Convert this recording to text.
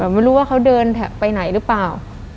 แต่ไม่รู้ว่าเขาเดินไปไหนหรือเปล่า